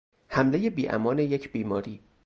حملهی بیامان یک بیماری